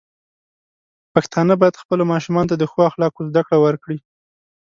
پښتانه بايد خپلو ماشومانو ته د ښو اخلاقو زده کړه ورکړي.